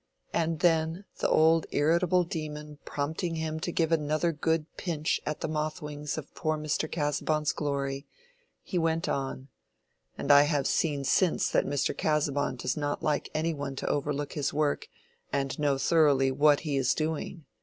And then, the old irritable demon prompting him to give another good pinch at the moth wings of poor Mr. Casaubon's glory, he went on, "And I have seen since that Mr. Casaubon does not like any one to overlook his work and know thoroughly what he is doing.